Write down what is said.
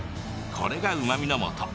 これが、うまみのもと。